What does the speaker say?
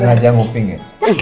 sengaja ngopi gak